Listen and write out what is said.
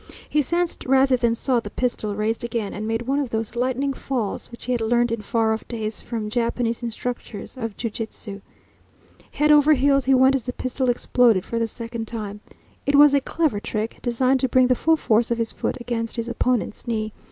He sensed rather than saw the pistol raised again, and made one of those lightning falls which he had learnt in far off days from Japanese instructors of ju jitsu. Head over heels he went as the pistol exploded for the second time. It was a clever trick, designed to bring the full force of his foot against his opponent's knee.